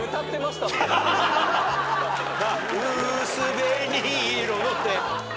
「薄紅色の」って。